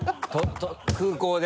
空港で？